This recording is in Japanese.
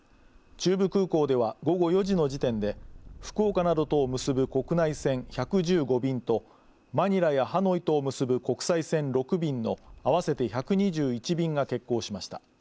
中部空港では午後４時の時点で、福岡などとを結ぶ国内線１１５便と、マニラやハノイとを結ぶ国際線６便の合わせて１２１便が欠航しました。